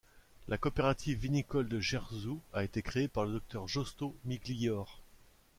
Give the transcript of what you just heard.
La Coopérative vinicole de Jerzu a été créée par le Dr Josto Miglior.